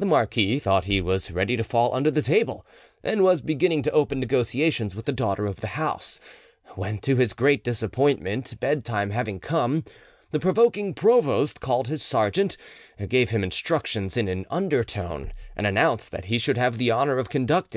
The marquis thought he was ready to fall under the table, and was beginning to open negotiations with the daughter of the house, when, to his great disappointment, bedtime having come, the provoking provost called his sergeant, gave him instructions in an undertone, and announced that he should have the honour of conducting M.